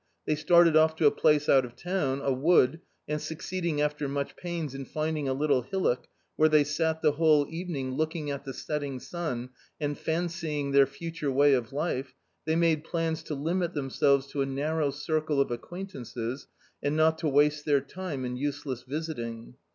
They started off to a place out of town, a wood, and succeeding after much pains in finding a little hillock, where they sat the whole evening looking at the setting sun, and fancying their future way of life, they made plans to limit themselves to a narrow circle of acquaintances and not to waste their time in useless visiting.